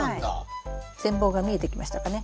全貌が見えてきましたかね。